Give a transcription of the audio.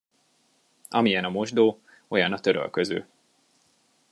Amilyen a mosdó, olyan a törölköző.